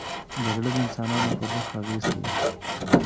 جګړه د انسانانو پر روح اغېز کوي